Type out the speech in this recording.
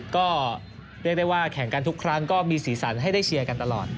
ก็เรียกได้ว่าแข่งกันทุกครั้งก็มีสีสันให้ได้เชียร์กันตลอด